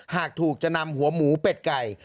หากถูกจะนำหัวหมูเป็ดไก่